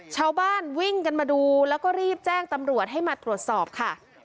ชาวบ้านวิ่งกันมาดูแล้วก็รีบแจ้งตำรวจให้มาตรวจสอบค่ะ